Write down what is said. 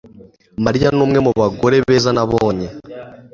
Mariya numwe mubagore beza nabonye